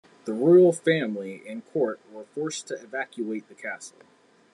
The royal family and court were forced to evacuate the castle.